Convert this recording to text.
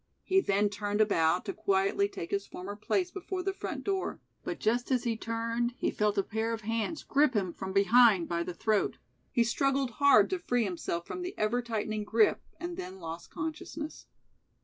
He then turned about, to quietly take his former place before the front door, but just as he turned, he felt a pair of hands grip him from behind by the throat. He struggled hard to free himself from the ever tightening grip, and then lost consciousness.